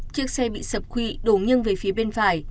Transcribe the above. chiếc xe bị sập khuy đổ nghiêng về phía bên phải